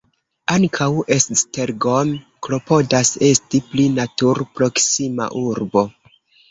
Ankaŭ Esztergom klopodas esti pli natur-proksima urbo.